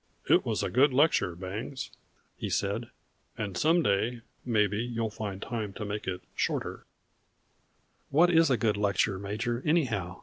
"It was a good lecture, Bangs," he said, "and some day, maybe, you will find time to make it shorter." "What is a good lecture, Major, anyhow?"